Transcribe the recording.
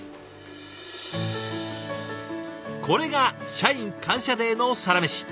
これが「社員感謝デー」のサラメシ。